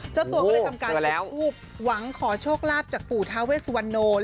เจ้าตัวก็เลยทำการจุดทูปหวังขอโชคลาภจากปู่ทาเวสวันโน